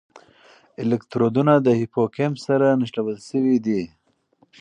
الکترودونه د هیپوکمپس سره نښلول شوي دي.